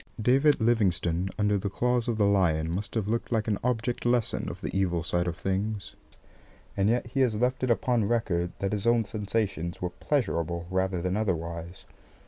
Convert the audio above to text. David Livingstone under the claws of the lion must have looked like an object lesson of the evil side of things, and yet he has left it upon record that his own sensations were pleasurable rather than otherwise.